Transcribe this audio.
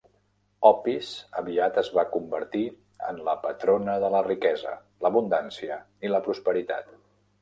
Opis aviat es va convertir en la patrona de la riquesa, l'abundància i la prosperitat.